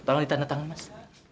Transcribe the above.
tolong ditanda tangan mas